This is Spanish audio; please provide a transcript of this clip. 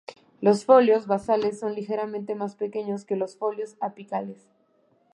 Los folíolos basales son ligeramente más pequeños que los folíolos apicales.